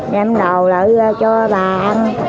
đem đồ lỡ cho bà ăn